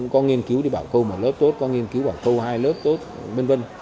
có nghiên cứu đi bảo khâu một lớp tốt có nghiên cứu bảo khâu hai lớp tốt v v